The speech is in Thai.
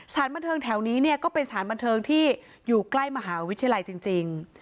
สถานบันเทิงแถวนี้เนี่ยก็เป็นสถานบันเทิงที่อยู่ใกล้มหาวิทยาลัยจริง